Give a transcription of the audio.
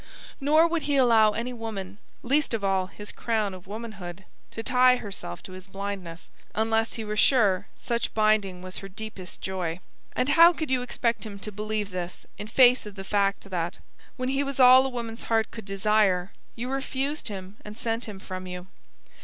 Nor would he allow any woman least of all his crown of womanhood to tie herself to his blindness unless he were sure such binding was her deepest joy. And how could you expect him to believe this in face of the fact that, when he was all a woman's heart could desire, you refused him and sent him from you?